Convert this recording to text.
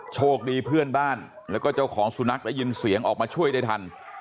โชคดีเพื่อนบ้านแล้วก็เจ้าของสุนัขได้ยินเสียงออกมาช่วยได้ทัน